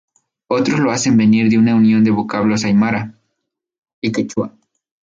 Otros lo hacen venir de una unión de vocablos aimara y quechua.